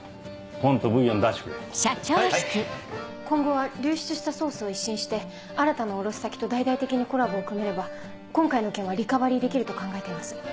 今後は流出したソースを一新して新たな卸先と大々的にコラボを組めれば今回の件はリカバリーできると考えています。